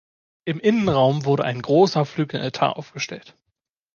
Im Innenraum wurde ein großer Flügelaltar aufgestellt.